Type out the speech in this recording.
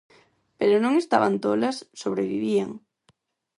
"Pero non estaban tolas", sobrevivían.